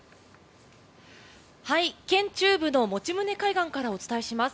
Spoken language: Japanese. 県中部の用宗海岸からお伝えします。